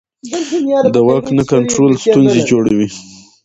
د واک نه کنټرول ستونزې جوړوي